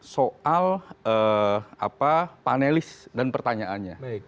soal panelis dan pertanyaannya